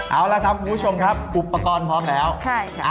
เอาละครับคุณผู้ชมครับอุปกรณ์พร้อมแล้วใช่ค่ะ